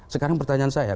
sekarang pertanyaan saya